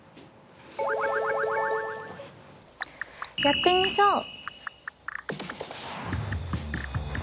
やってみましょう！